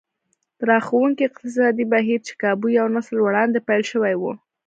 راښکوونکي اقتصادي بهير چې کابو يو نسل وړاندې پيل شوی و.